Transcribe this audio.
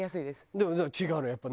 でも違うのやっぱり。